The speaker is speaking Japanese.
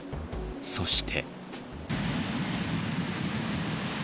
そして。